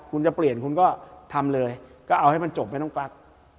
คุณจะเปลี่ยนคุณก็ทำเลยก็เอาให้มันจบไหมน้องปลั๊ก